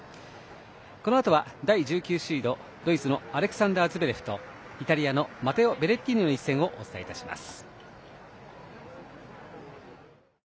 このあとは第１９シードドイツのアレクサンダー・ズベレフとイタリアのマテオ・ベレッティーニの一戦をお伝えします。